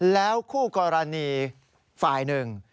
แล้วคู่กรณีฝ่ายหนึ่ง